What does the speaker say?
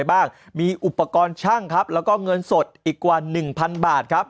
บ้างมีอุปกรณ์ช่างครับแล้วก็เงินสดอีกกว่าหนึ่งพันบาทครับ